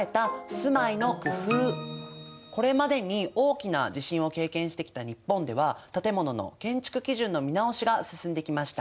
これまでに大きな地震を経験してきた日本では建物の建築基準の見直しが進んできました。